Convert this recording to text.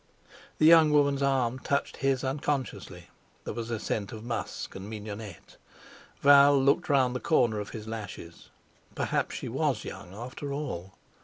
The young woman's arm touched his unconsciously; there was a scent of musk and mignonette. Val looked round the corner of his lashes. Perhaps she was young, after all.